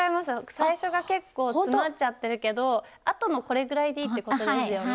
最初が結構詰まっちゃってるけどあとのこれぐらいでいいってことですよね？